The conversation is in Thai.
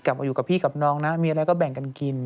มาอยู่กับพี่กับน้องนะมีอะไรก็แบ่งกันกิน